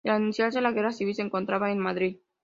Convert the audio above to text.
Al iniciarse la Guerra Civil se encontraba en Madrid.